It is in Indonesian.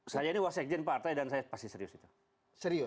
saya ini wasekjen partai dan saya pasti serius itu